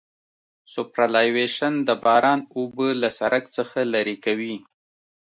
سوپرایلیویشن د باران اوبه له سرک څخه لرې کوي